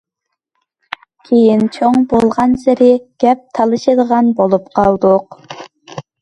كېيىن چوڭ بولغانسېرى گەپ تالىشىدىغان بولۇپ قالدۇق.